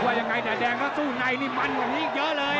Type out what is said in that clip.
ว่ายังไงแต่แดงก็สู้ในนี่มันกว่านี้อีกเยอะเลย